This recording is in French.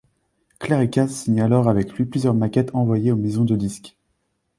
Clarika signe alors avec lui plusieurs maquettes envoyées aux maisons de disques.